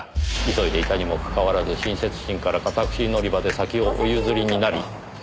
急いでいたにもかかわらず親切心からかタクシー乗り場で先をお譲りになり。